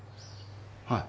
はい。